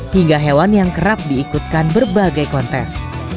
hingga hewan yang kerap diikutkan berbagai kontes